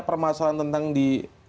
permasalahan tentang di